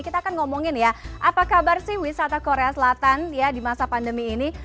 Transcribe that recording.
kita akan ngomongin ya apa kabar sih wisata korea selatan ya di masa pandemi ini